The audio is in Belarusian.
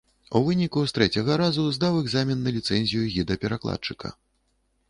У выніку з трэцяга разу здаў экзамен на ліцэнзію гіда-перакладчыка.